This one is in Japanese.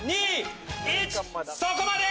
そこまで！